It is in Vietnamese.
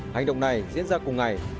hành động này diễn ra cùng ngày